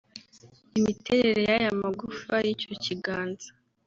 Imiterere y’aya magufa y’icyo kiganza